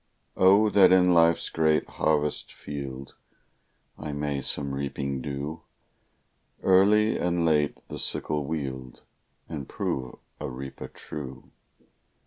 Oh, that in life's great harvest field, I may some reaping do; Early and late the sickle wield, And prove a reaper true.